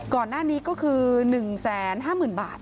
ก่อนหน้านี้ก็คือ๑๕๐๐๐บาท